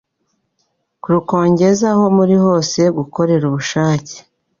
kurukongeza aho muri hose, gukorera ubushake